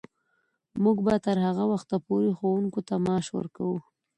موږ به تر هغه وخته پورې ښوونکو ته معاش ورکوو.